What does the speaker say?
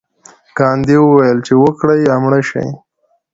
ګاندي وویل چې وکړئ یا مړه شئ.